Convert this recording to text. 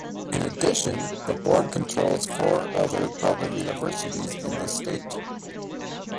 In addition, the Board controls four other public universities in the state.